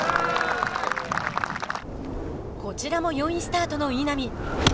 こちらも４位スタートの稲見。